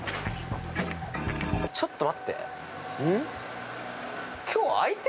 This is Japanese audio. ちょっと待って。